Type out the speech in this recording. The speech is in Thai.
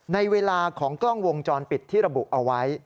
ในเวลาของกล้องวงจรปิดที่ระบุเอาไว้